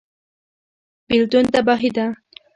بیلتون تباهي ده